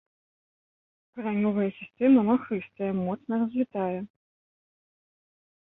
Каранёвая сістэма махрыстая, моцна развітая.